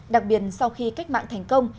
đặc biệt sau khi cách mạng thành công